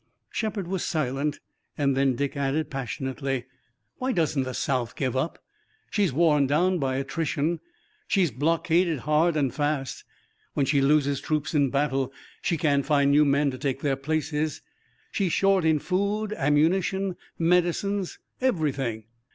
Shepard was silent and then Dick added passionately: "Why doesn't the South give up? She's worn down by attrition. She's blockaded hard and fast! When she loses troops in battle she can't find new men to take their places! She's short in food, ammunition, medicines, everything!